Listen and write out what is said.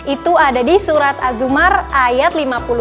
itu ada di surat az zumar ayat lima puluh tiga